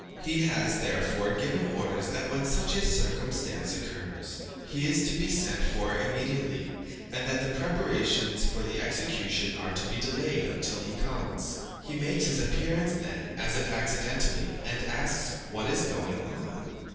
He has, therefore, given orders that when such a circumstance occurs, he is to be sent for immediately, and that the preparations for the execution are to be delayed until he comes. He makes his appearance then as if accidentally, and asks what is going on.